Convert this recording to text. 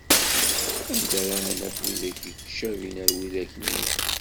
Anda ara naf widak yettcabin ar widak-nni?